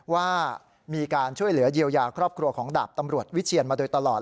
ว่ามีการช่วยเหลือเยียวยาครอบครัวของดาบตำรวจวิเชียนมาโดยตลอด